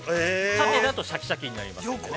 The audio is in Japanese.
縦だとシャキシャキになりますね。